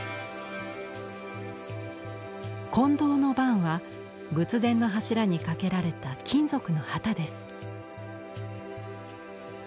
「金銅幡」は仏殿の柱にかけられた金属の旗です。